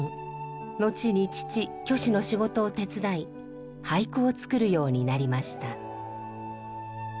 後に父虚子の仕事を手伝い俳句を作るようになりました。